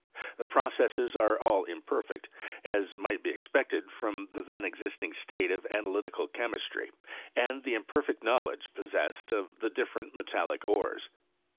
The processes are all imperfect, as might be expected from the then existing state of analytical chemistry, and the imperfect knowledge possessed, of the different metallic ores.